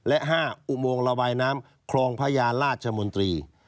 และ๕อุโมงระบายน้ำคลองพญาราชมนตรี